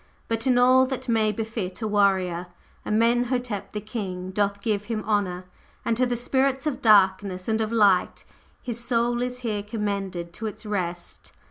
But in all that may befit a Warrior, Amenhotep The King doth give him honor, and to the Spirits of Darkness and of Light his Soul is here commended to its Rest."